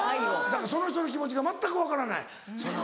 だからその人の気持ちが全く分からないその。